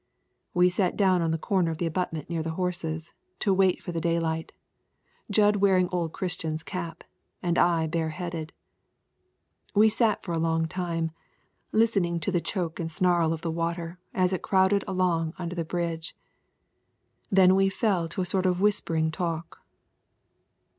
We sat down on the corner of the abutment near the horses, to wait for the daylight, Jud wearing old Christian's cap, and I bareheaded. We sat for a long time, listening to the choke and snarl of the water as it crowded along under the bridge. Then we fell to a sort of whispering talk.